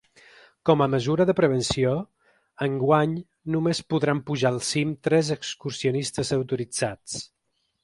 Com a mesura de prevenció, enguany només podran pujar al cim tres excursionistes autoritzats.